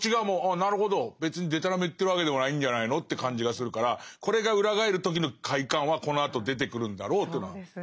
別にでたらめ言ってるわけでもないんじゃないの」って感じがするからこれが裏返る時の快感はこのあと出てくるんだろうというのは分かります。